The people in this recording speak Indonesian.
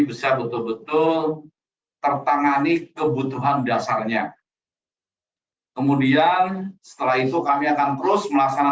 bisa betul betul tertangani kebutuhan dasarnya kemudian setelah itu kami akan terus melaksanakan